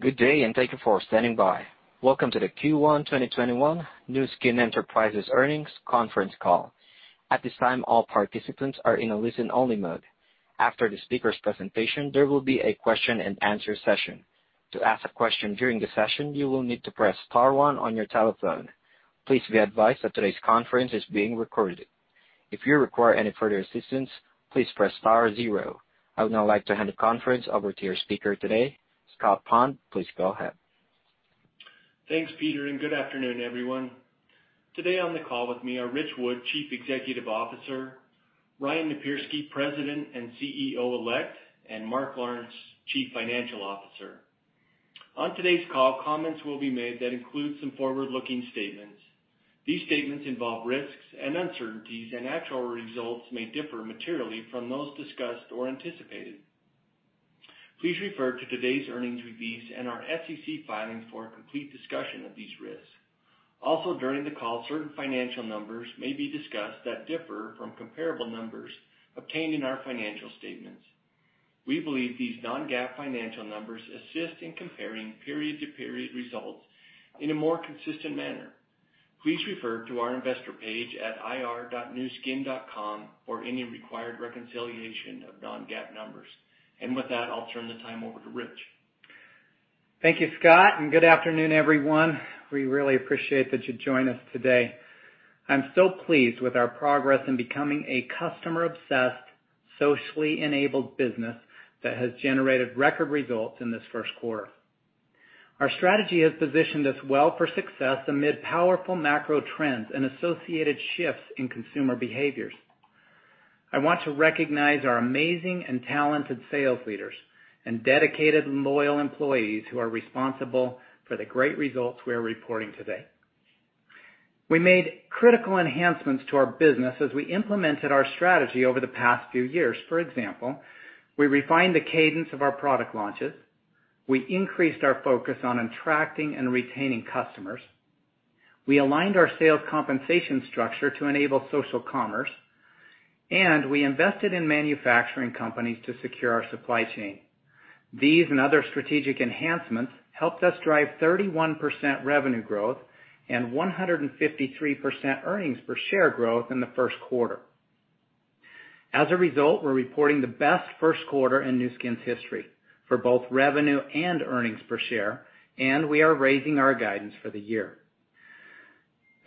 Good day, and thank you for standing by. Welcome to the Q1 2021 Nu Skin Enterprises Earnings Conference Call. At this time, all participants are in a listen-only mode. After the speakers' presentation, there will be a question and answer session. To ask a question during the session, you will need to press star one on your telephone. Please be advised that today's conference is being recorded. If you require any further assistance, please press star zero. I would now like to hand the conference over to your speaker today, Scott Pond. Please go ahead. Thanks, Peter, and good afternoon, everyone. Today on the call with me are Ritch Wood, Chief Executive Officer, Ryan Napierski, President and CEO Elect, and Mark Lawrence, Chief Financial Officer. On today's call, comments will be made that include some forward-looking statements. These statements involve risks and uncertainties, and actual results may differ materially from those discussed or anticipated. Please refer to today's earnings release and our SEC filings for a complete discussion of these risks. Also, during the call, certain financial numbers may be discussed that differ from comparable numbers obtained in our financial statements. We believe these non-GAAP financial numbers assist in comparing period-to-period results in a more consistent manner. Please refer to our investor page at ir.nuskin.com for any required reconciliation of non-GAAP numbers. With that, I'll turn the time over to Ritch. Thank you, Scott, and good afternoon, everyone. We really appreciate that you join us today. I'm so pleased with our progress in becoming a customer-obsessed, socially enabled business that has generated record results in this first quarter. Our strategy has positioned us well for success amid powerful macro trends and associated shifts in consumer behaviors. I want to recognize our amazing and talented sales leaders and dedicated, loyal employees who are responsible for the great results we are reporting today. We made critical enhancements to our business as we implemented our strategy over the past few years. For example, we refined the cadence of our product launches, we increased our focus on attracting and retaining customers, we aligned our sales compensation structure to enable social commerce, and we invested in manufacturing companies to secure our supply chain. These and other strategic enhancements helped us drive 31% revenue growth and 153% earnings per share growth in the first quarter. As a result, we're reporting the best first quarter in Nu Skin's history for both revenue and earnings per share, and we are raising our guidance for the year.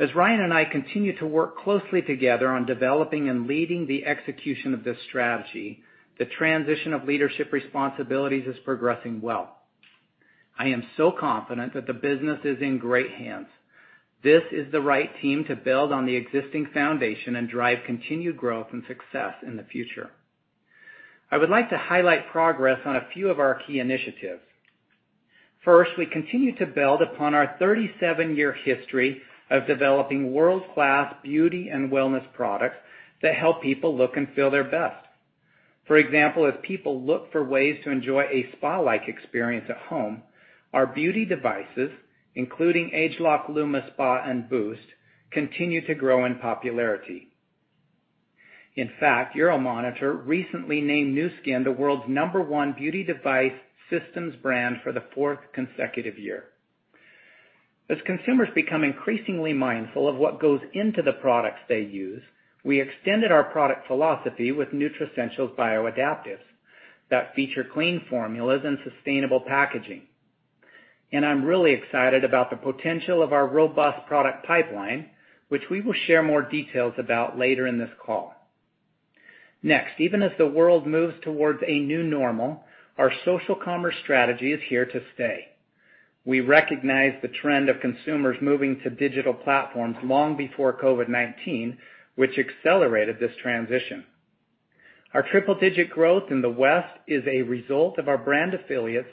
As Ryan and I continue to work closely together on developing and leading the execution of this strategy, the transition of leadership responsibilities is progressing well. I am so confident that the business is in great hands. This is the right team to build on the existing foundation and drive continued growth and success in the future. I would like to highlight progress on a few of our key initiatives. First, we continue to build upon our 37-year history of developing world-class beauty and wellness products that help people look and feel their best. For example, as people look for ways to enjoy a spa-like experience at home, our beauty devices, including ageLOC LumiSpa and Boost, continue to grow in popularity. In fact, Euromonitor recently named Nu Skin the world's number one beauty device systems brand for the fourth consecutive year. As consumers become increasingly mindful of what goes into the products they use, we extended our product philosophy with Nutricentials Bioadaptives that feature clean formulas and sustainable packaging. I'm really excited about the potential of our robust product pipeline, which we will share more details about later in this call. Next, even as the world moves towards a new normal, our social commerce strategy is here to stay. We recognize the trend of consumers moving to digital platforms long before COVID-19, which accelerated this transition. Our triple-digit growth in the West is a result of our brand affiliates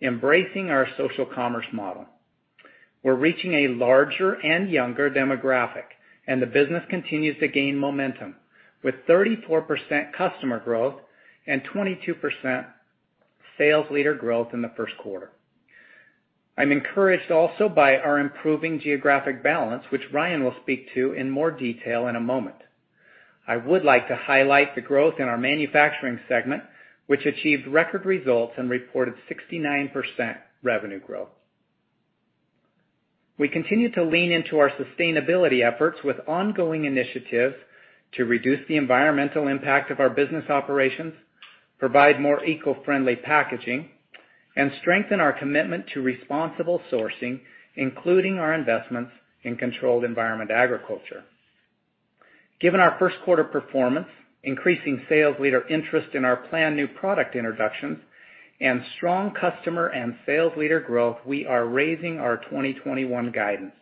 embracing our social commerce model. We're reaching a larger and younger demographic, and the business continues to gain momentum with 34% customer growth and 22% sales leader growth in the first quarter. I'm encouraged also by our improving geographic balance, which Ryan will speak to in more detail in a moment. I would like to highlight the growth in our manufacturing segment, which achieved record results and reported 69% revenue growth. We continue to lean into our sustainability efforts with ongoing initiatives to reduce the environmental impact of our business operations, provide more eco-friendly packaging, and strengthen our commitment to responsible sourcing, including our investments in controlled environment agriculture. Given our first quarter performance, increasing sales leader interest in our planned new product introductions, and strong customer and sales leader growth, we are raising our 2021 guidance.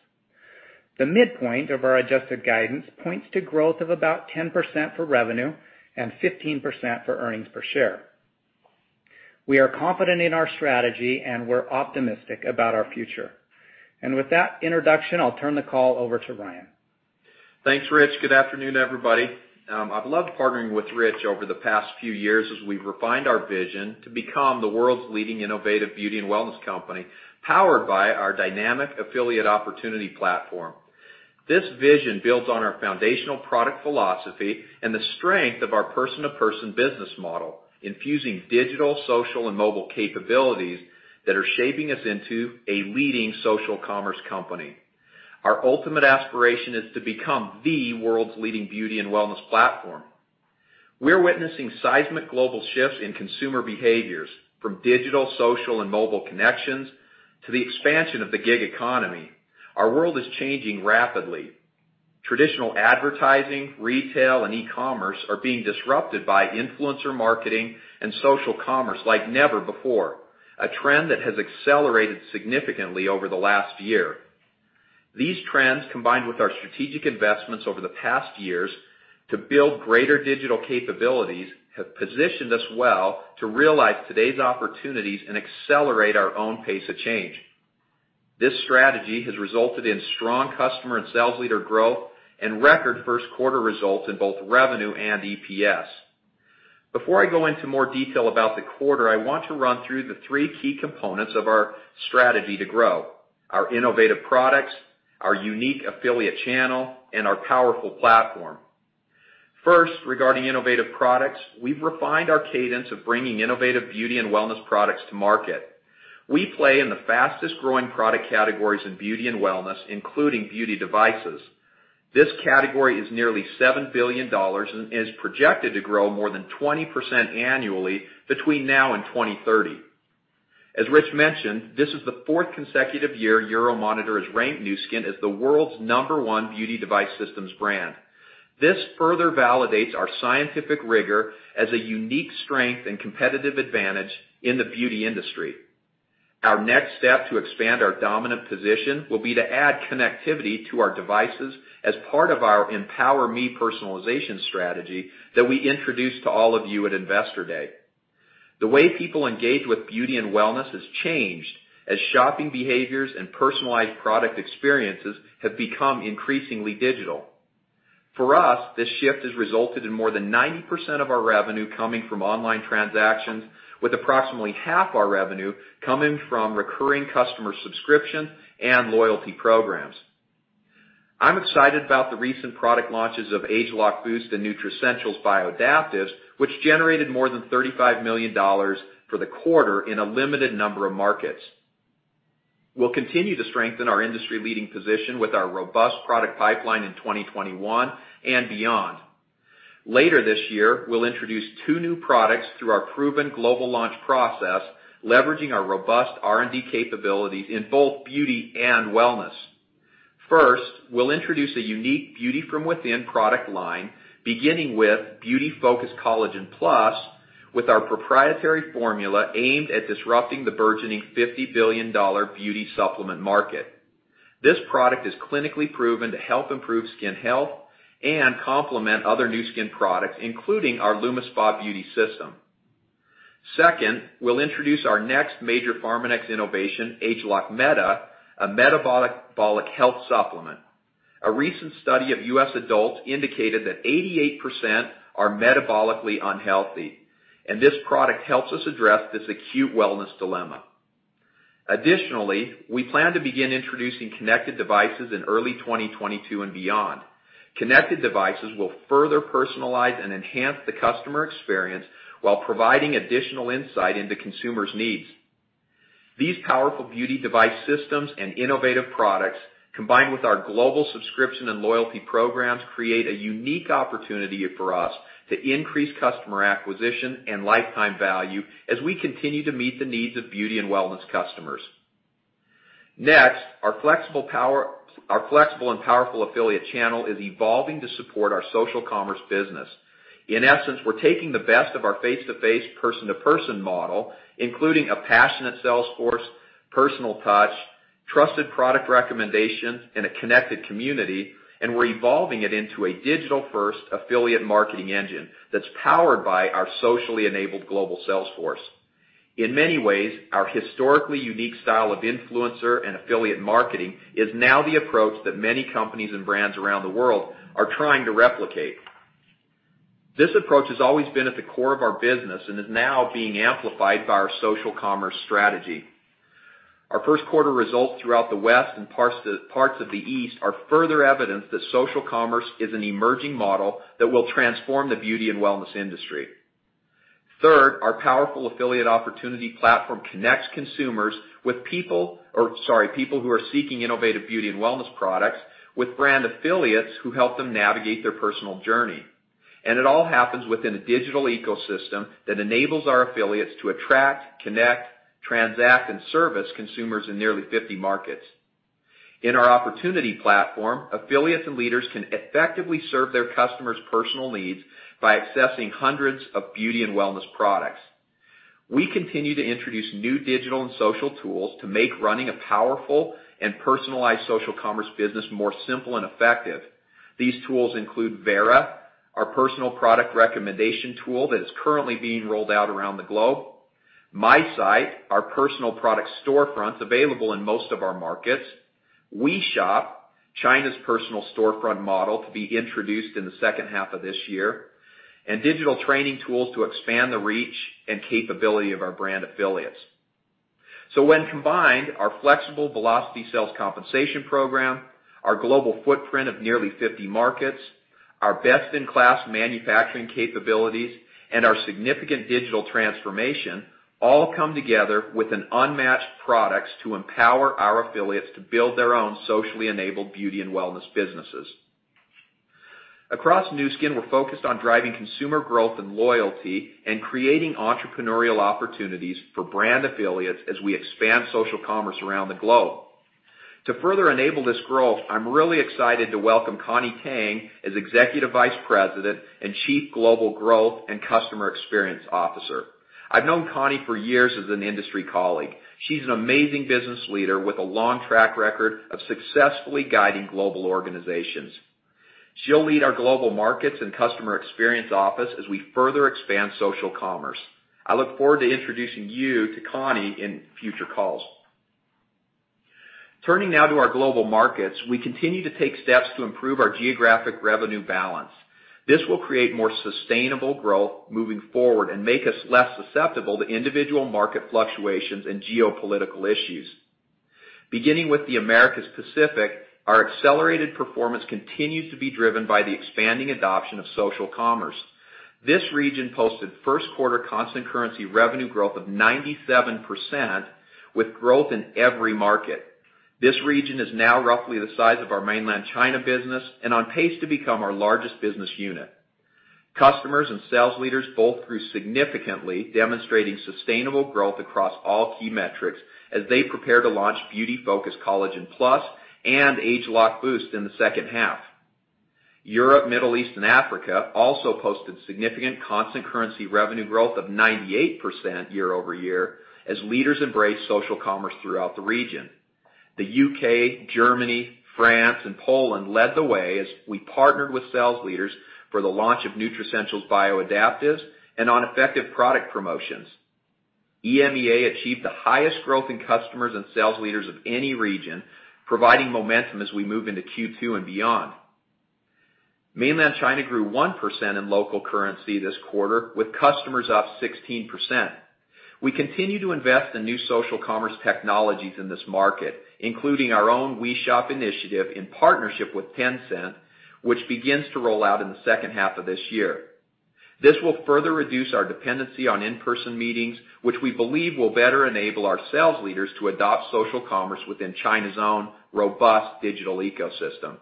The midpoint of our adjusted guidance points to growth of about 10% for revenue and 15% for earnings per share. We are confident in our strategy, and we're optimistic about our future. With that introduction, I'll turn the call over to Ryan. Thanks, Ritch. Good afternoon, everybody. I've loved partnering with Ritch over the past few years as we've refined our vision to become the world's leading innovative beauty and wellness company powered by our dynamic affiliate opportunity platform. This vision builds on our foundational product philosophy and the strength of our person-to-person business model, infusing digital, social, and mobile capabilities that are shaping us into a leading social commerce company. Our ultimate aspiration is to become the world's leading beauty and wellness platform. We're witnessing seismic global shifts in consumer behaviors, from digital, social, and mobile connections to the expansion of the gig economy. Our world is changing rapidly. Traditional advertising, retail, and e-commerce are being disrupted by influencer marketing and social commerce like never before, a trend that has accelerated significantly over the last year. These trends, combined with our strategic investments over the past years to build greater digital capabilities, have positioned us well to realize today's opportunities and accelerate our own pace of change. This strategy has resulted in strong customer and sales leader growth and record first quarter results in both revenue and EPS. Before I go into more detail about the quarter, I want to run through the three key components of our strategy to grow. Our innovative products, our unique affiliate channel, and our powerful platform. First, regarding innovative products, we've refined our cadence of bringing innovative beauty and wellness products to market. We play in the fastest-growing product categories in beauty and wellness, including beauty devices. This category is nearly $7 billion and is projected to grow more than 20% annually between now and 2030. As Ritch mentioned, this is the fourth consecutive year Euromonitor has ranked Nu Skin as the world's number one beauty device systems brand. This further validates our scientific rigor as a unique strength and competitive advantage in the beauty industry. Our next step to expand our dominant position will be to add connectivity to our devices as part of our EmpowerMe personalization strategy that we introduced to all of you at Investor Day. The way people engage with beauty and wellness has changed as shopping behaviors and personalized product experiences have become increasingly digital. For us, this shift has resulted in more than 90% of our revenue coming from online transactions, with approximately half our revenue coming from recurring customer subscription and loyalty programs. I'm excited about the recent product launches of ageLOC Boost and Nutricentials Bioadaptives, which generated more than $35 million for the quarter in a limited number of markets. We'll continue to strengthen our industry-leading position with our robust product pipeline in 2021 and beyond. Later this year, we'll introduce two new products through our proven global launch process, leveraging our robust R&D capabilities in both beauty and wellness. First, we'll introduce a unique beauty from within product line, beginning with Beauty Focus Collagen+ with our proprietary formula aimed at disrupting the burgeoning $50 billion beauty supplement market. This product is clinically proven to help improve skin health and complement other Nu Skin products, including our LumiSpa beauty system. Second, we'll introduce our next major Pharmanex innovation, ageLOC Meta, a metabolic health supplement. A recent study of U.S. adults indicated that 88% are metabolically unhealthy, and this product helps us address this acute wellness dilemma. Additionally, we plan to begin introducing connected devices in early 2022 and beyond. Connected devices will further personalize and enhance the customer experience while providing additional insight into consumers' needs. These powerful beauty device systems and innovative products, combined with our global subscription and loyalty programs, create a unique opportunity for us to increase customer acquisition and lifetime value as we continue to meet the needs of beauty and wellness customers. Next, our flexible and powerful affiliate channel is evolving to support our social commerce business. In essence, we're taking the best of our face-to-face, person-to-person model, including a passionate sales force, personal touch, trusted product recommendations, and a connected community, and we're evolving it into a digital first affiliate marketing engine that's powered by our socially enabled global sales force. In many ways, our historically unique style of influencer and affiliate marketing is now the approach that many companies and brands around the world are trying to replicate. This approach has always been at the core of our business and is now being amplified by our social commerce strategy. Our first quarter results throughout the West and parts of the East are further evidence that social commerce is an emerging model that will transform the beauty and wellness industry. Third, our powerful affiliate opportunity platform connects people who are seeking innovative beauty and wellness products with brand affiliates who help them navigate their personal journey. It all happens within a digital ecosystem that enables our affiliates to attract, connect, transact, and service consumers in nearly 50 markets. In our opportunity platform, affiliates and leaders can effectively serve their customers' personal needs by accessing hundreds of beauty and wellness products. We continue to introduce new digital and social tools to make running a powerful and personalized social commerce business more simple and effective. These tools include Vera, our personal product recommendation tool that is currently being rolled out around the globe, My Site, our personal product storefronts available in most of our markets, WeShop China's personal storefront model to be introduced in the second half of this year, and digital training tools to expand the reach and capability of our brand affiliates. When combined, our flexible Velocity sales compensation program, our global footprint of nearly 50 markets, our best-in-class manufacturing capabilities, and our significant digital transformation all come together with an unmatched products to empower our affiliates to build their own socially enabled beauty and wellness businesses. Across Nu Skin, we're focused on driving consumer growth and loyalty and creating entrepreneurial opportunities for brand affiliates as we expand social commerce around the globe. To further enable this growth, I'm really excited to welcome Connie Tang as Executive Vice President and Chief Global Growth and Customer Experience Officer. I've known Connie for years as an industry colleague. She's an amazing business leader with a long track record of successfully guiding global organizations. She'll lead our global markets and customer experience office as we further expand social commerce. I look forward to introducing you to Connie in future calls. Turning now to our global markets, we continue to take steps to improve our geographic revenue balance. This will create more sustainable growth moving forward and make us less susceptible to individual market fluctuations and geopolitical issues. Beginning with the Americas & Pacific, our accelerated performance continues to be driven by the expanding adoption of social commerce. This region posted first quarter constant currency revenue growth of 97%, with growth in every market. This region is now roughly the size of our mainland China business and on pace to become our largest business unit. Customers and sales leaders both grew significantly, demonstrating sustainable growth across all key metrics as they prepare to launch Beauty Focus Collagen+ and ageLOC Boost in the second half. Europe, Middle East and Africa also posted significant constant currency revenue growth of 98% year-over-year as leaders embrace social commerce throughout the region. The UK, Germany, France and Poland led the way as we partnered with sales leaders for the launch of Nutricentials Bioadaptives and on effective product promotions. EMEA achieved the highest growth in customers and sales leaders of any region, providing momentum as we move into Q2 and beyond. Mainland China grew 1% in local currency this quarter, with customers up 16%. We continue to invest in new social commerce technologies in this market, including our own WeShop initiative in partnership with Tencent, which begins to roll out in the second half of this year. This will further reduce our dependency on in-person meetings, which we believe will better enable our sales leaders to adopt social commerce within China's own robust digital ecosystem.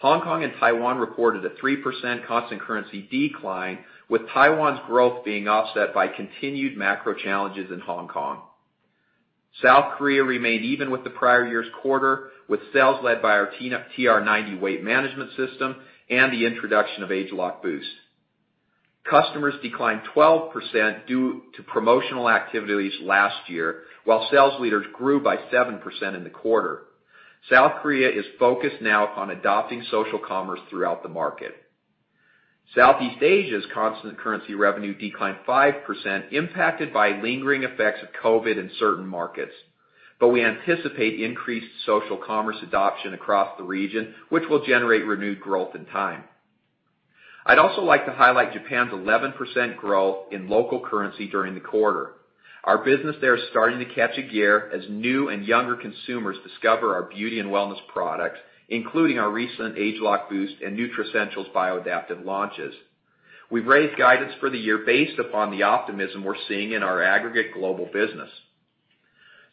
Hong Kong and Taiwan reported a 3% constant currency decline, with Taiwan's growth being offset by continued macro challenges in Hong Kong. South Korea remained even with the prior year's quarter, with sales led by our TR90 weight management system and the introduction of ageLOC Boost. Customers declined 12% due to promotional activities last year, while sales leaders grew by 7% in the quarter. South Korea is focused now on adopting social commerce throughout the market. Southeast Asia's constant currency revenue declined 5%, impacted by lingering effects of COVID-19 in certain markets. We anticipate increased social commerce adoption across the region, which will generate renewed growth in time. I'd also like to highlight Japan's 11% growth in local currency during the quarter. Our business there is starting to catch fire as new and younger consumers discover our beauty and wellness products, including our recent ageLOC Boost and Nutricentials Bioadaptive launches. We've raised guidance for the year based upon the optimism we're seeing in our aggregate global business.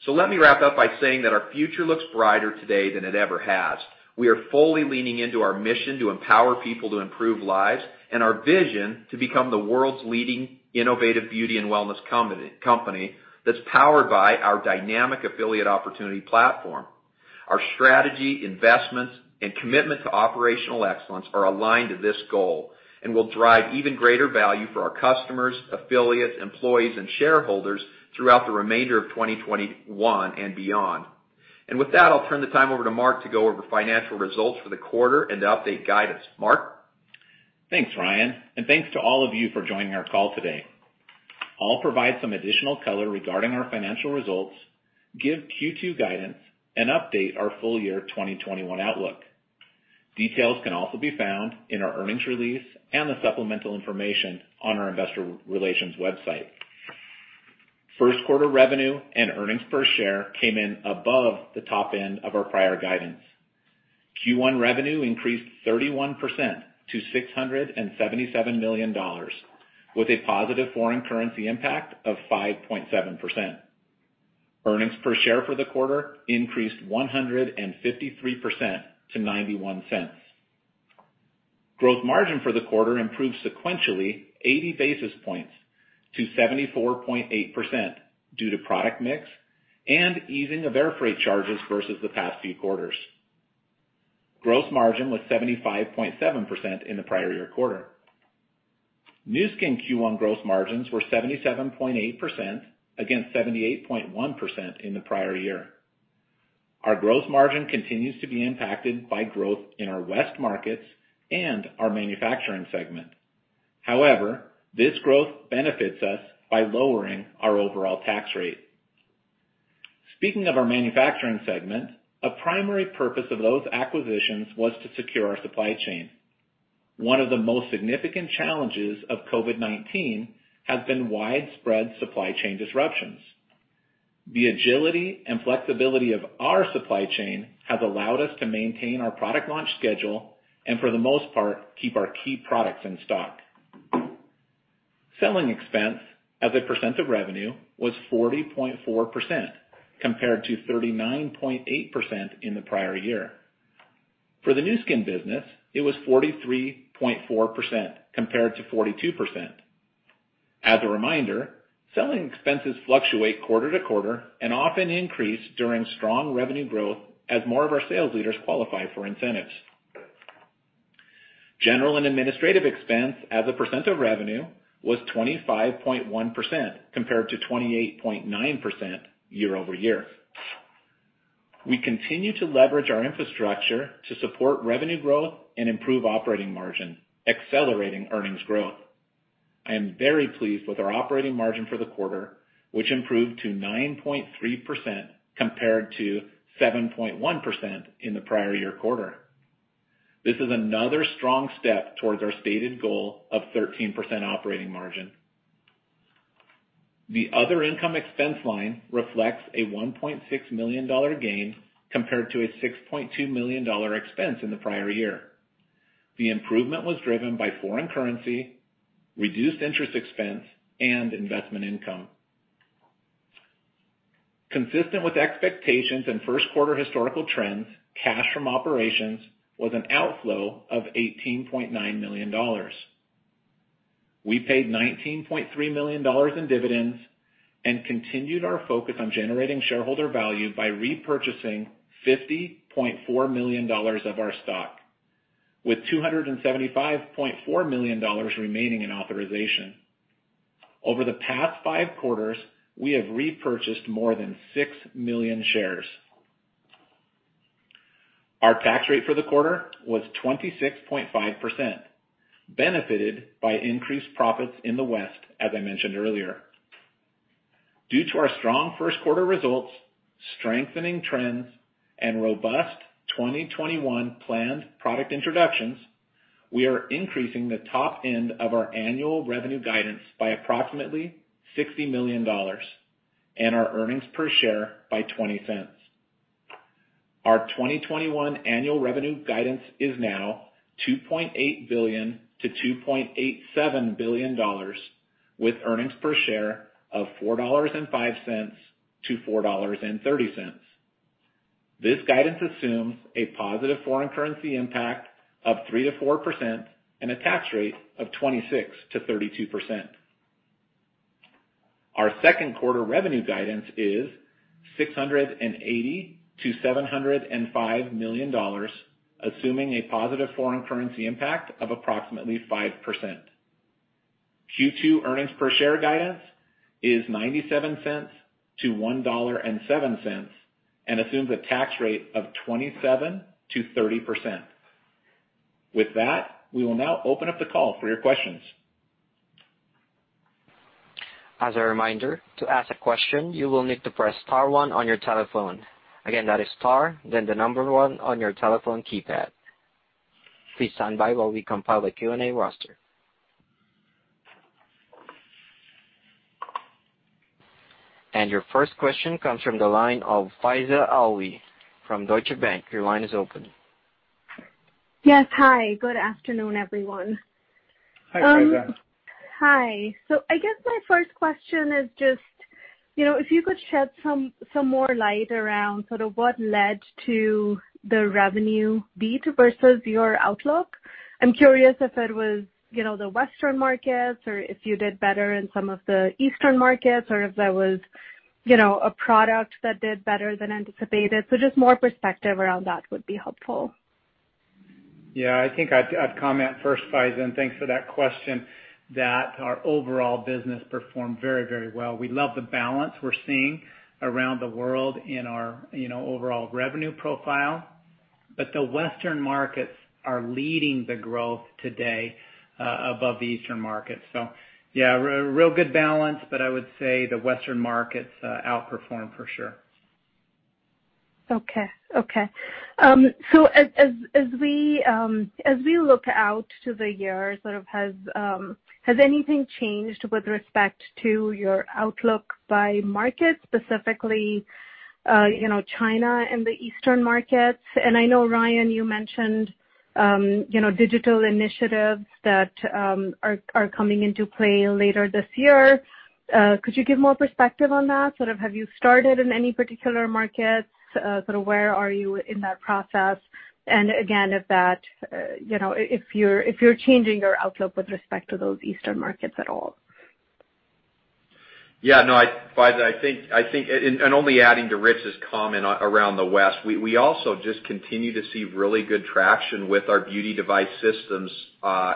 Let me wrap up by saying that our future looks brighter today than it ever has. We are fully leaning into our mission to empower people to improve lives, and our vision to become the world's leading innovative beauty and wellness company that's powered by our dynamic affiliate opportunity platform. Our strategy, investments, and commitment to operational excellence are aligned to this goal and will drive even greater value for our customers, affiliates, employees, and shareholders throughout the remainder of 2021 and beyond. With that, I'll turn the time over to Mark to go over financial results for the quarter and to update guidance. Mark? Thanks, Ryan, and thanks to all of you for joining our call today. I'll provide some additional color regarding our financial results, give Q2 guidance, and update our full year 2021 outlook. Details can also be found in our earnings release and the supplemental information on our investor relations website. First quarter revenue and earnings per share came in above the top end of our prior guidance. Q1 revenue increased 31% to $677 million, with a positive foreign currency impact of 5.7%. Earnings per share for the quarter increased 153% to $0.91. Gross margin for the quarter improved sequentially 80 basis points to 74.8% due to product mix and easing of air freight charges versus the past few quarters. Gross margin was 75.7% in the prior year quarter. Nu Skin Q1 gross margins were 77.8%, against 78.1% in the prior year. Our gross margin continues to be impacted by growth in our West markets and our manufacturing segment. However, this growth benefits us by lowering our overall tax rate. Speaking of our manufacturing segment, a primary purpose of those acquisitions was to secure our supply chain. One of the most significant challenges of COVID-19 has been widespread supply chain disruptions. The agility and flexibility of our supply chain has allowed us to maintain our product launch schedule, and for the most part, keep our key products in stock. Selling expense as a percent of revenue was 40.4%, compared to 39.8% in the prior year. For the Nu Skin business, it was 43.4%, compared to 42%. As a reminder, selling expenses fluctuate quarter to quarter and often increase during strong revenue growth as more of our sales leaders qualify for incentives. General and administrative expense as a percent of revenue was 25.1%, compared to 28.9% year-over-year. We continue to leverage our infrastructure to support revenue growth and improve operating margin, accelerating earnings growth. I am very pleased with our operating margin for the quarter, which improved to 9.3%, compared to 7.1% in the prior year quarter. This is another strong step towards our stated goal of 13% operating margin. The other income expense line reflects a $1.6 million gain, compared to a $6.2 million expense in the prior year. The improvement was driven by foreign currency, reduced interest expense, and investment income. Consistent with expectations and first quarter historical trends, cash from operations was an outflow of $18.9 million. We paid $19.3 million in dividends and continued our focus on generating shareholder value by repurchasing $50.4 million of our stock, with $275.4 million remaining in authorization. Over the past five quarters, we have repurchased more than 6 million shares. Our tax rate for the quarter was 26.5%, benefited by increased profits in the West, as I mentioned earlier. Due to our strong first quarter results, strengthening trends, and robust 2021 planned product introductions, we are increasing the top end of our annual revenue guidance by approximately $60 million and our earnings per share by $0.20. Our 2021 annual revenue guidance is now $2.8 billion-$2.87 billion, with earnings per share of $4.05-$4.30. This guidance assumes a positive foreign currency impact of 3%-4% and a tax rate of 26%-32%. Our second quarter revenue guidance is $680 million-$705 million, assuming a positive foreign currency impact of approximately 5%. Q2 earnings per share guidance is $0.97-$1.07 and assumes a tax rate of 27%-30%. With that, we will now open up the call for your questions. As a reminder, to ask a question, you will need to press star one on your telephone. Again, that is star, then the number one on your telephone keypad. Please stand by while we compile a Q&A roster. Your first question comes from the line of Faiza Alwy from Deutsche Bank. Your line is open. Yes. Hi, good afternoon, everyone. Hi, Faiza. Hi. I guess my first question is just if you could shed some more light around sort of what led to the revenue beat versus your outlook. I'm curious if it was the Western markets or if you did better in some of the Eastern markets or if there was a product that did better than anticipated. Just more perspective around that would be helpful. Yeah, I think I'd comment first, Faiza, and thanks for that question, that our overall business performed very, very well. We love the balance we're seeing around the world in our overall revenue profile. The Western markets are leading the growth today above the Eastern markets. Yeah, real good balance, but I would say the Western markets outperformed for sure. Okay. As we look out to the year, sort of has anything changed with respect to your outlook by market, specifically China and the Eastern markets? I know, Ryan, you mentioned digital initiatives that are coming into play later this year. Could you give more perspective on that? Sort of have you started in any particular markets? Sort of where are you in that process? Again, if you're changing your outlook with respect to those Eastern markets at all? Yeah. No, Faiza, I think, and only adding to Ritch's comment around the West, we also just continue to see really good traction with our beauty device systems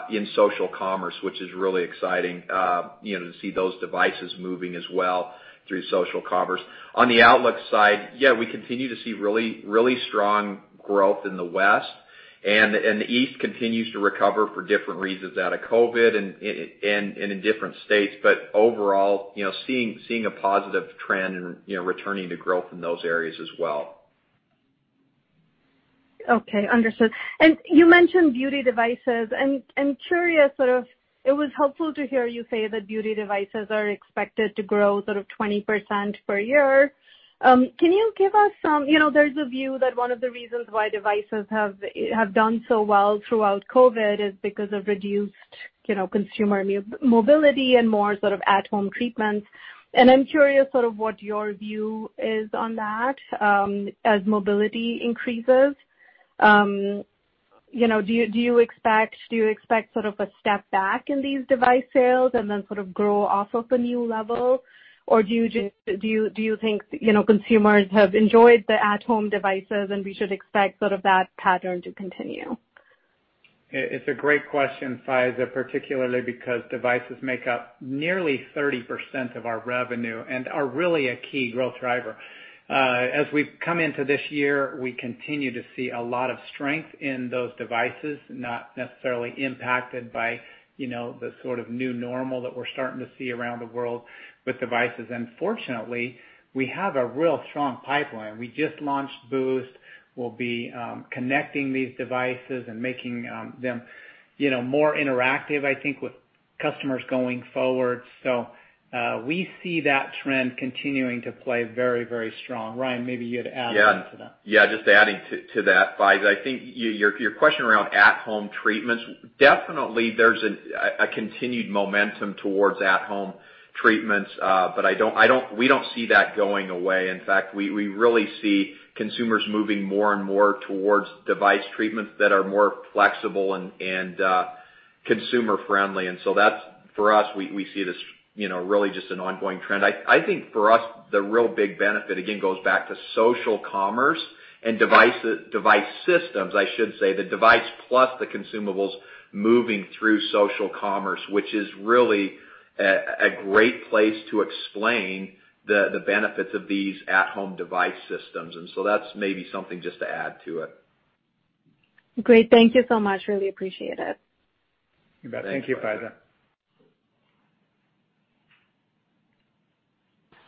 in social commerce, which is really exciting to see those devices moving as well through social commerce. On the outlook side, yeah, we continue to see really strong growth in the West. The East continues to recover for different reasons out of COVID and in different states. But overall, seeing a positive trend and returning to growth in those areas as well. Okay, understood. You mentioned beauty devices, and curious, it was helpful to hear you say that beauty devices are expected to grow 20% per year. There's a view that one of the reasons why devices have done so well throughout COVID is because of reduced consumer mobility and more at-home treatments. I'm curious, what your view is on that, as mobility increases. Do you expect a step back in these device sales and then grow off of the new level? Or do you think consumers have enjoyed the at-home devices, and we should expect that pattern to continue? It's a great question, Faiza, particularly because devices make up nearly 30% of our revenue and are really a key growth driver. As we've come into this year, we continue to see a lot of strength in those devices, not necessarily impacted by the sort of new normal that we're starting to see around the world with devices. Fortunately, we have a real strong pipeline. We just launched Boost. We'll be connecting these devices and making them more interactive, I think, with customers going forward. We see that trend continuing to play very, very strong. Ryan, maybe you'd add into that. Yeah. Just adding to that, Faiza, I think your question around at-home treatments. Definitely there's a continued momentum towards at-home treatments. We don't see that going away. In fact, we really see consumers moving more and more towards device treatments that are more flexible and consumer friendly. For us, we see this really just an ongoing trend. I think for us, the real big benefit again goes back to social commerce and device systems. I should say, the device plus the consumables moving through social commerce, which is really a great place to explain the benefits of these at-home device systems. That's maybe something just to add to it. Great. Thank you so much. Really appreciate it. You bet. Thank you,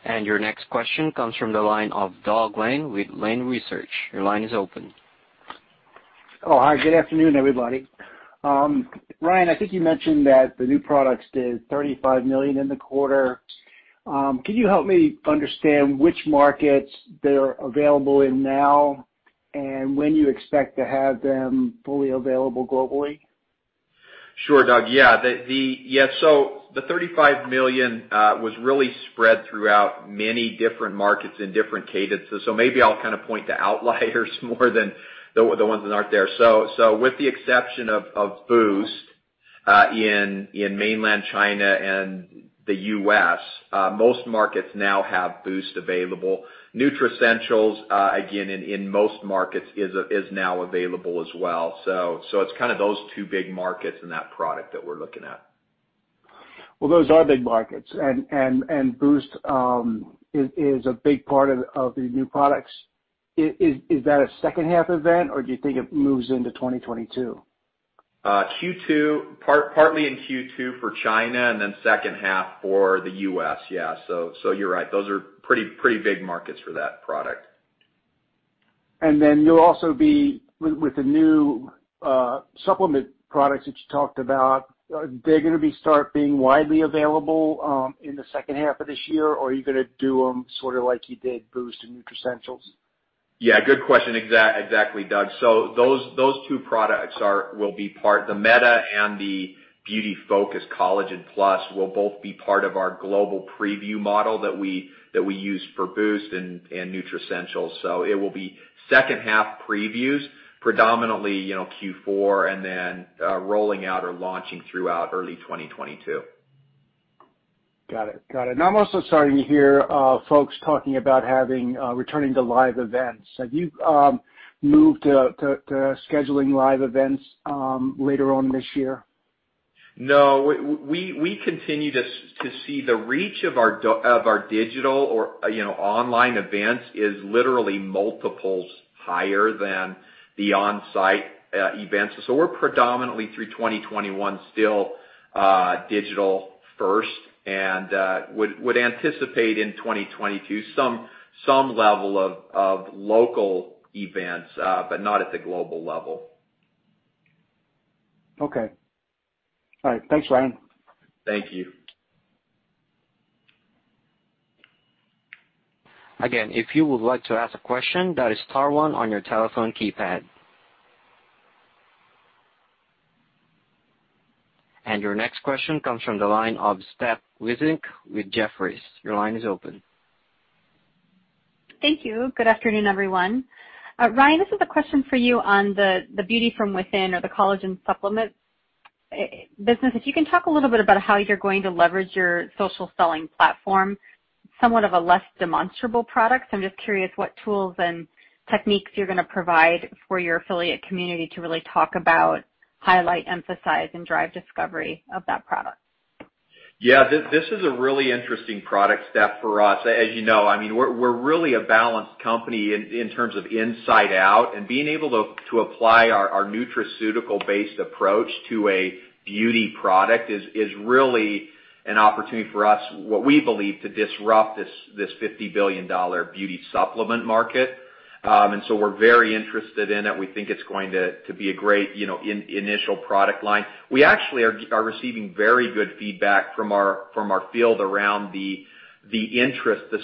Faiza. Thanks, Faiza. Your next question comes from the line of Doug Lane with Lane Research. Your line is open. Oh, hi. Good afternoon, everybody. Ryan, I think you mentioned that the new products did $35 million in the quarter. Can you help me understand which markets they're available in now, and when you expect to have them fully available globally? Sure, Doug. Yeah. The $35 million was really spread throughout many different markets in different cadences. Maybe I'll point to outliers more than the ones that aren't there. With the exception of Boost, in mainland China and the U.S., most markets now have Boost available. Nutricentials, again, in most markets is now available as well. It's kind of those two big markets and that product that we're looking at. Well, those are big markets, and Boost is a big part of the new products. Is that a second half event, or do you think it moves into 2022? Q2, partly in Q2 for China and then second half for the U.S. Yeah. You're right. Those are pretty big markets for that product. You'll also be with the new supplement products that you talked about. They're gonna start being widely available in the second half of this year, or are you gonna do them sort of like you did Boost and Nutricentials? Yeah, good question. Exactly, Doug. Those two products will be part, the Meta and the Beauty Focus Collagen+ will both be part of our global preview model that we used for Boost and Nutricentials. It will be second half previews, predominantly, Q4, and then rolling out or launching throughout early 2022. Got it. Now I'm also starting to hear folks talking about returning to live events. Have you moved to scheduling live events later on this year? No, we continue to see the reach of our digital or online events is literally multiples higher than the on-site events. We're predominantly through 2021, still digital first, and would anticipate in 2022 some level of local events, but not at the global level. Okay. All right. Thanks, Ryan. Thank you. Again, if you would like to ask a question, that is star one on your telephone keypad. Your next question comes from the line of Steph Wissink with Jefferies. Your line is open. Thank you. Good afternoon, everyone. Ryan, this is a question for you on the Beauty from Within or the collagen supplement business. If you can talk a little bit about how you're going to leverage your social selling platform, somewhat of a less demonstrable product. I'm just curious what tools and techniques you're going to provide for your affiliate community to really talk about, highlight, emphasize, and drive discovery of that product. Yeah. This is a really interesting product, Steph, for us. As you know, we're really a balanced company in terms of inside out, and being able to apply our nutraceutical-based approach to a beauty product is really an opportunity for us, what we believe, to disrupt this $50 billion beauty supplement market. We're very interested in it. We think it's going to be a great initial product line. We actually are receiving very good feedback from our field around the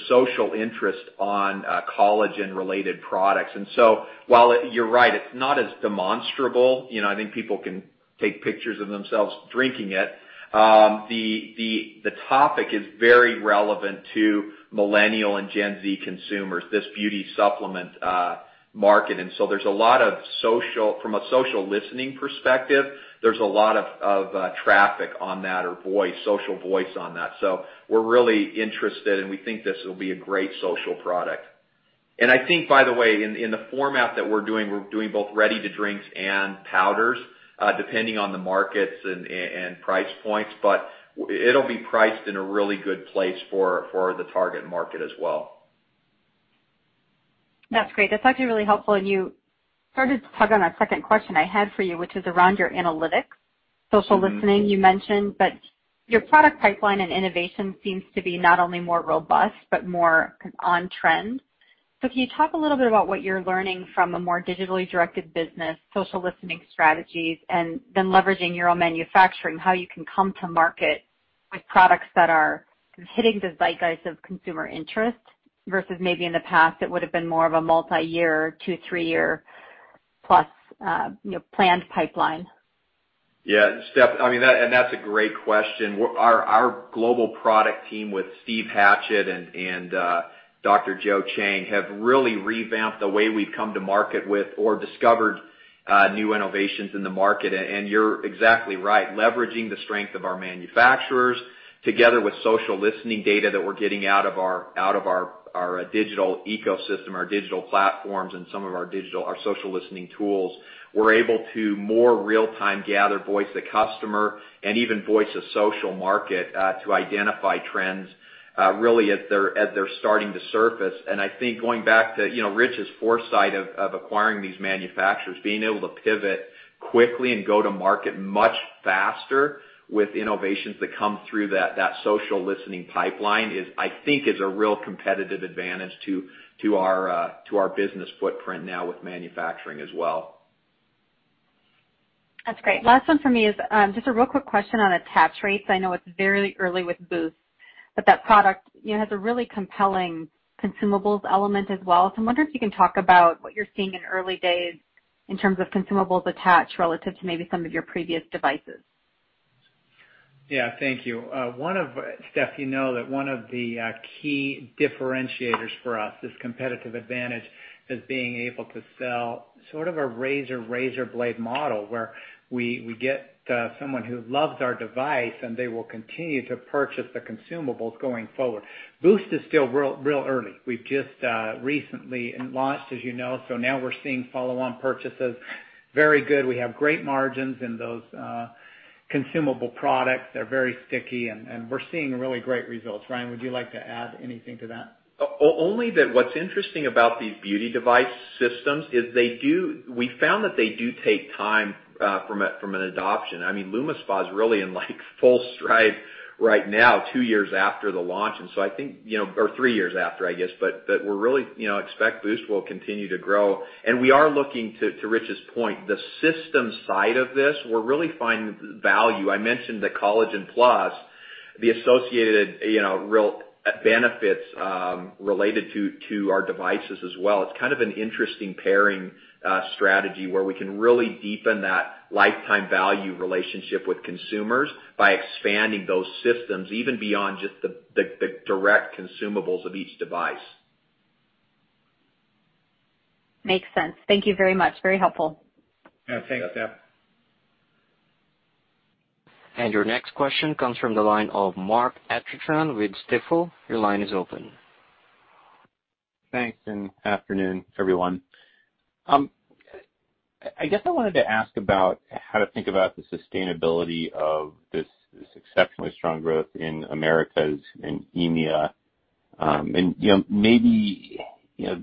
social interest on collagen-related products. While you're right, it's not as demonstrable, I think people can take pictures of themselves drinking it. The topic is very relevant to Millennial and Gen Z consumers, this beauty supplement market. From a social listening perspective, there's a lot of traffic on that or social voice on that. We're really interested, and we think this will be a great social product. I think, by the way, in the format that we're doing, we're doing both ready to drinks and powders, depending on the markets and price points. It'll be priced in a really good place for the target market as well. That's great. That's actually really helpful. You started to tug on a second question I had for you, which is around your analytics, social listening you mentioned, but your product pipeline and innovation seems to be not only more robust, but more on-trend. Can you talk a little bit about what you're learning from a more digitally directed business, social listening strategies, and then leveraging your own manufacturing, how you can come to market with products that are hitting the zeitgeist of consumer interest versus maybe in the past, it would've been more of a multi-year, two-, three-year plus planned pipeline? Yeah. Steph, that's a great question. Our global product team with Steve Hatchett and Dr. Joe Chang have really revamped the way we've come to market with our discovered new innovations in the market. You're exactly right. Leveraging the strength of our manufacturers together with social listening data that we're getting out of our digital ecosystem, our digital platforms, and some of our social listening tools, we're able to more real-time gather voice of customer and even voice of social market, to identify trends really as they're starting to surface. I think going back to Ritch's foresight of acquiring these manufacturers, being able to pivot quickly and go to market much faster with innovations that come through that social listening pipeline I think is a real competitive advantage to our business footprint now with manufacturing as well. That's great. Last one for me is just a real quick question on attach rates. I know it's very early with Boost, but that product has a really compelling consumables element as well. I'm wondering if you can talk about what you're seeing in early days in terms of consumables attached relative to maybe some of your previous devices. Yeah. Thank you. Steph, you know that one of the key differentiators for us, this competitive advantage is being able to sell sort of a razor blade model, where we get someone who loves our device, and they will continue to purchase the consumables going forward. Boost is still really early. We've just recently launched, as you know. So now we're seeing follow-on purchases. Very good. We have great margins in those consumable products. They're very sticky, and we're seeing really great results. Ryan, would you like to add anything to that? Only that, what's interesting about these beauty device systems is we found that they do take time for an adoption. LumiSpa is really in full stride right now, two years after the launch. Or three years after, I guess, but we really expect Boost will continue to grow. We are looking, to Ritch's point, the system side of this, we're really finding value. I mentioned the Collagen+, the associated real benefits related to our devices as well. It's kind of an interesting pairing strategy where we can really deepen that lifetime value relationship with consumers by expanding those systems even beyond just the direct consumables of each device. Makes sense. Thank you very much. Very helpful. Yeah. Thanks, Steph. Your next question comes from the line of Mark Astrachan with Stifel. Your line is open. Thanks, and good afternoon, everyone. I guess I wanted to ask about how to think about the sustainability of this exceptionally strong growth in Americas and EMEA. Maybe, if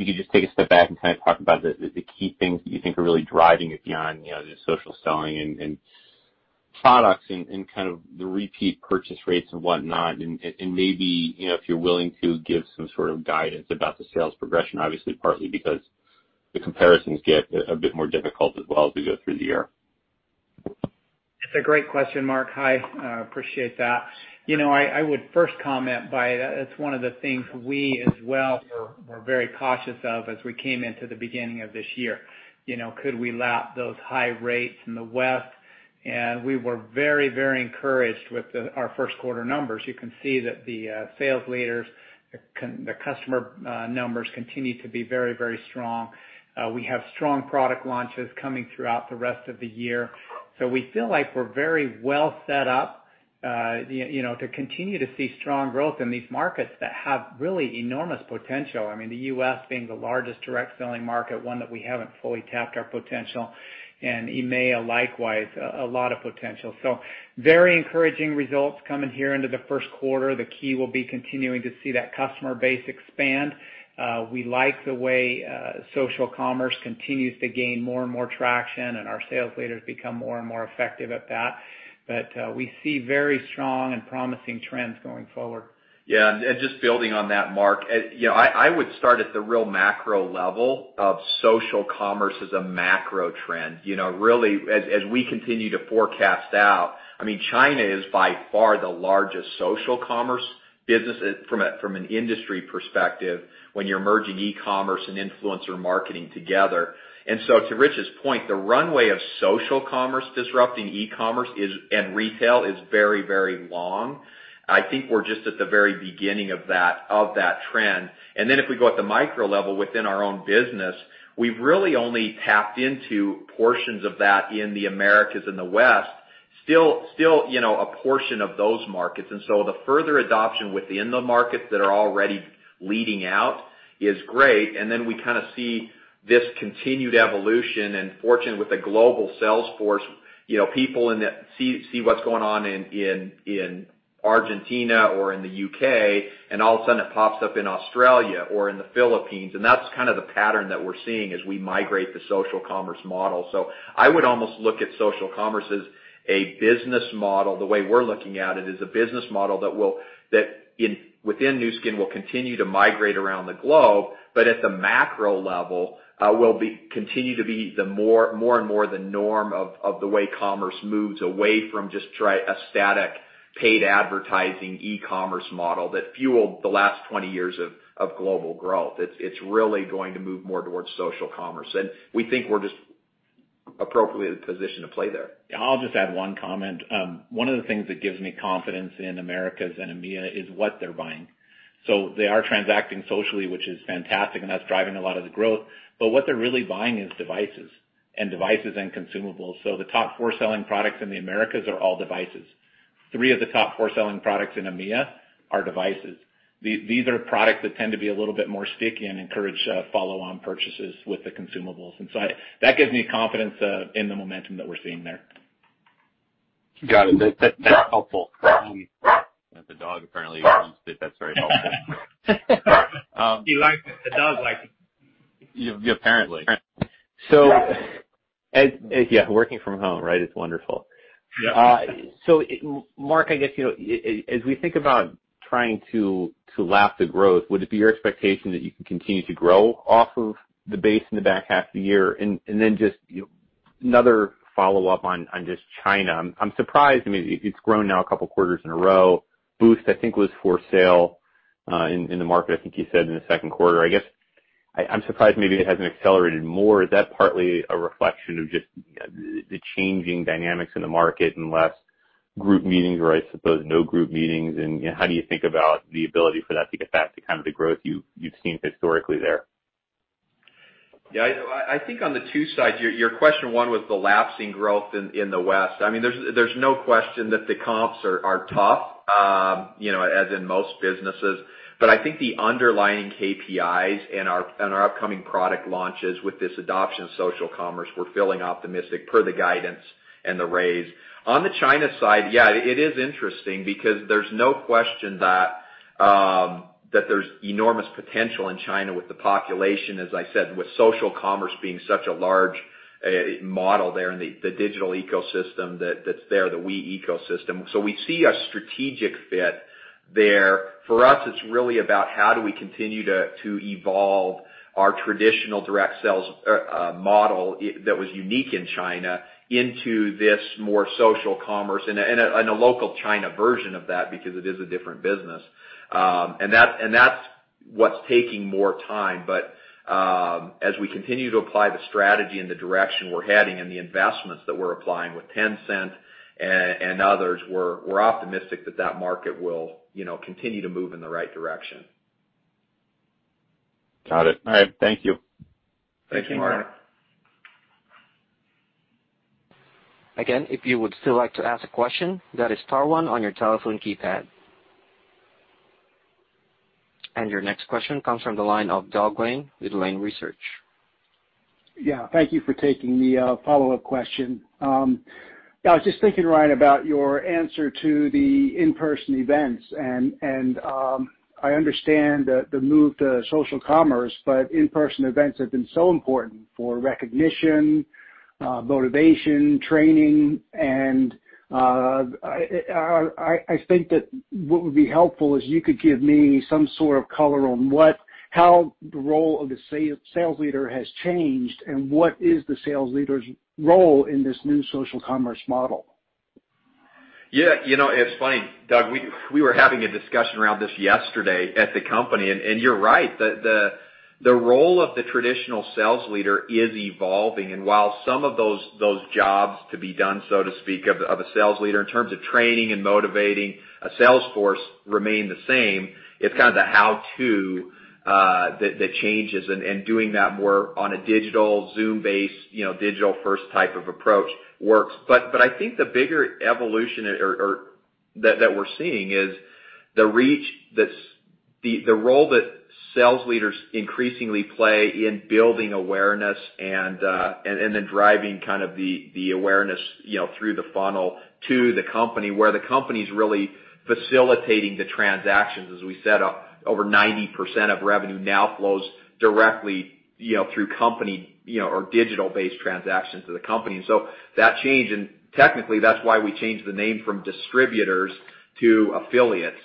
you could just take a step back and kind of talk about the key things that you think are really driving it beyond, just social selling and products and kind of the repeat purchase rates and whatnot. Maybe, if you're willing to give some sort of guidance about the sales progression, obviously partly because the comparisons get a bit more difficult as well as we go through the year. It's a great question, Mark. Hi, I appreciate that. I would first comment by, it's one of the things we as well were very cautious of as we came into the beginning of this year. Could we lap those high rates in the West? We were very encouraged with our first quarter numbers. You can see that the sales leaders, the customer numbers continue to be very strong. We have strong product launches coming throughout the rest of the year. We feel like we're very well set up to continue to see strong growth in these markets that have really enormous potential. I mean, the U.S. being the largest direct selling market, one that we haven't fully tapped our potential, and EMEA likewise, a lot of potential. Very encouraging results coming here into the first quarter. The key will be continuing to see that customer base expand. We like the way social commerce continues to gain more and more traction, and our sales leaders become more and more effective at that. We see very strong and promising trends going forward. Yeah, just building on that, Mark, I would start at the real macro level of social commerce as a macro trend. Really, as we continue to forecast out, China is by far the largest social commerce business from an industry perspective, when you're merging e-commerce and influencer marketing together. To Ritch's point, the runway of social commerce disrupting e-commerce and retail is very long. I think we're just at the very beginning of that trend. Then if we go at the micro level within our own business, we've really only tapped into portions of that in the Americas and the West. Still, a portion of those markets. The further adoption within the markets that are already leading out is great, and then we kind of see this continued evolution and fortunate with a global sales force, people see what's going on in Argentina or in the U.K., and all of a sudden it pops up in Australia or in the Philippines. That's kind of the pattern that we're seeing as we migrate the social commerce model. I would almost look at social commerce as a business model, the way we're looking at it, is a business model that within Nu Skin will continue to migrate around the globe, but at the macro level, will continue to be more and more the norm of the way commerce moves away from just a static paid advertising e-commerce model that fueled the last 20 years of global growth. It's really going to move more towards social commerce, and we think we're just appropriately positioned to play there. I'll just add one comment. One of the things that gives me confidence in Americas and EMEA is what they're buying. They are transacting socially, which is fantastic, and that's driving a lot of the growth. What they're really buying is devices and consumables. The top four selling products in the Americas are all devices. Three of the top four selling products in EMEA are devices. These are products that tend to be a little bit more sticky and encourage follow-on purchases with the consumables. That gives me confidence in the momentum that we're seeing there. Got it. That's helpful. The dog apparently thinks that that's very helpful. The dog likes it. Yeah, apparently. Yeah, working from home, right, is wonderful. Yeah. Mark, I guess as we think about trying to lap the growth, would it be your expectation that you can continue to grow off of the base in the back half of the year? Then just another follow-up on just China. I'm surprised, I mean, it's grown now a couple of quarters in a row. Boost, I think, was for sale, in the market, I think you said in the second quarter. I guess I'm surprised maybe it hasn't accelerated more. Is that partly a reflection of just the changing dynamics in the market and less group meetings, or I suppose no group meetings? How do you think about the ability for that to get back to kind of the growth you've seen historically there? Yeah. I think on the two sides, your question one was the lapsing growth in the West. There's no question that the comps are tough, as in most businesses. I think the underlying KPIs and our upcoming product launches with this adoption of social commerce, we're feeling optimistic per the guidance and the raise. On the China side, yeah, it is interesting because there's no question that there's enormous potential in China with the population, as I said, with social commerce being such a large model there and the digital ecosystem that's there, the WeChat ecosystem. We see a strategic fit there. For us, it's really about how do we continue to evolve our traditional direct sales model that was unique in China into this more social commerce and a local China version of that, because it is a different business. That's what's taking more time, but as we continue to apply the strategy and the direction we're heading and the investments that we're applying with Tencent and others, we're optimistic that that market will continue to move in the right direction. Got it. All right. Thank you. Thank you. Thank you. Mark. Again, if you would still like to ask a question, that is star one on your telephone keypad. Your next question comes from the line of Doug Lane with Lane Research. Yeah. Thank you for taking the follow-up question. I was just thinking, Ryan, about your answer to the in-person events, and I understand the move to social commerce, but in-person events have been so important for recognition, motivation, training, and I think that what would be helpful is you could give me some sort of color on how the role of the sales leader has changed, and what is the sales leader's role in this new social commerce model? Yeah. It's funny, Doug, we were having a discussion around this yesterday at the company, and you're right. The role of the traditional sales leader is evolving, and while some of those jobs to be done, so to speak, of a sales leader in terms of training and motivating a sales force remain the same, it's kind of the how-to that changes and doing that more on a digital Zoom-based, digital-first type of approach works. I think the bigger evolution that we're seeing is the reach. That's the role that sales leaders increasingly play in building awareness and then driving the awareness through the funnel to the company, where the company's really facilitating the transactions, as we said, over 90% of revenue now flows directly through company or digital-based transactions to the company. That changed, and technically, that's why we changed the name from distributors to affiliates,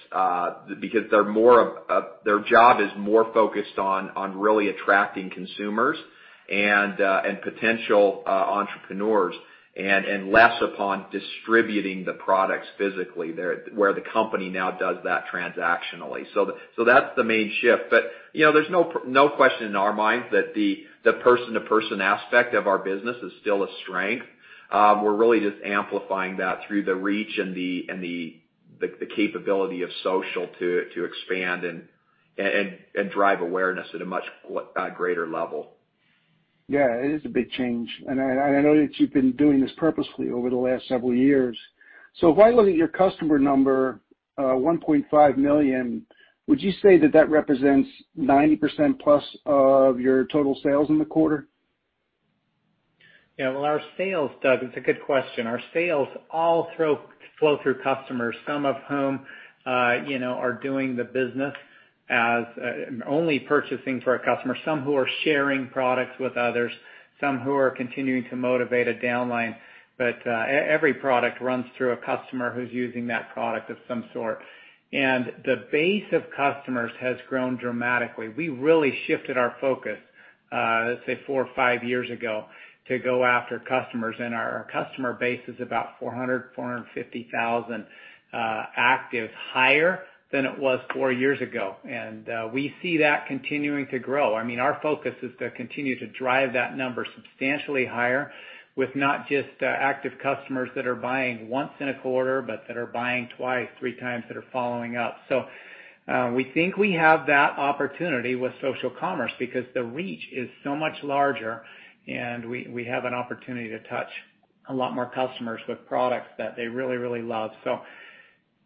because their job is more focused on really attracting consumers and potential entrepreneurs and less upon distributing the products physically, where the company now does that transactionally. That's the main shift. There's no question in our minds that the person-to-person aspect of our business is still a strength. We're really just amplifying that through the reach and the capability of social to expand and drive awareness at a much greater level. Yeah, it is a big change. I know that you've been doing this purposefully over the last several years. If I look at your customer number, 1.5 million, would you say that that represents 90%+ of your total sales in the quarter? Yeah. Well, our sales, Doug, it's a good question. Our sales all flow through customers, some of whom are doing the business as only purchasing for a customer, some who are sharing products with others, some who are continuing to motivate a downline. Every product runs through a customer who's using that product of some sort. The base of customers has grown dramatically. We really shifted our focus, let's say four or five years ago, to go after customers, and our customer base is about 400,000-450,000 active, higher than it was four years ago. We see that continuing to grow. I mean, our focus is to continue to drive that number substantially higher with not just active customers that are buying once in a quarter, but that are buying twice, three times, that are following up. We think we have that opportunity with social commerce because the reach is so much larger, and we have an opportunity to touch a lot more customers with products that they really, really love.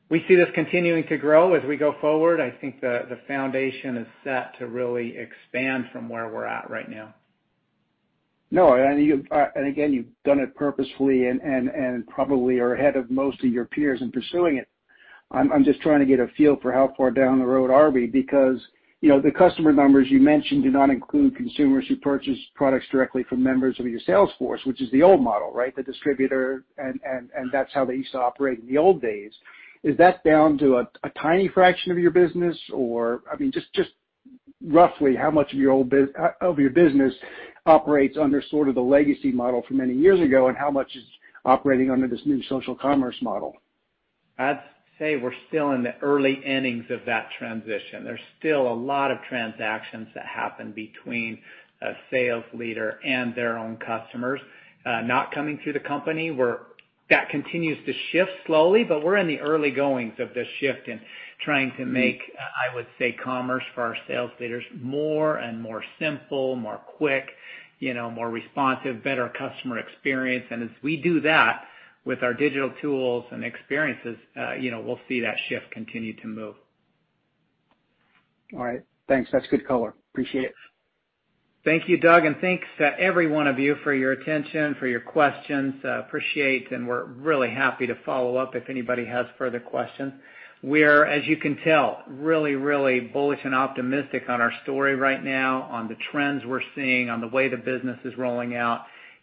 We see this continuing to grow as we go forward. I think the foundation is set to really expand from where we're at right now. No, again, you've done it purposefully and probably are ahead of most of your peers in pursuing it. I'm just trying to get a feel for how far down the road are we, because the customer numbers you mentioned do not include consumers who purchase products directly from members of your sales force, which is the old model, right? The distributor, and that's how they used to operate in the old days. Is that down to a tiny fraction of your business? I mean, just roughly how much of your business operates under sort of the legacy model from many years ago, and how much is operating under this new social commerce model? I'd say we're still in the early innings of that transition. There's still a lot of transactions that happen between a sales leader and their own customers not coming through the company. That continues to shift slowly, but we're in the early goings of this shift in trying to make, I would say, commerce for our sales leaders more and more simple, more quick, more responsive, better customer experience. As we do that with our digital tools and experiences, we'll see that shift continue to move. All right. Thanks. That's good color. Appreciate it. Thank you, Doug, and thanks to every one of you for your attention, for your questions. We appreciate, and we're really happy to follow up if anybody has further questions. We're, as you can tell, really, really bullish and optimistic on our story right now, on the trends we're seeing, on the way the business is rolling out,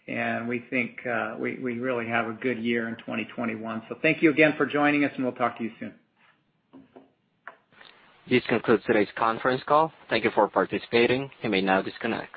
and we think we really have a good year in 2021. Thank you again for joining us, and we'll talk to you soon. This concludes today's conference call. Thank you for participating. You may now disconnect.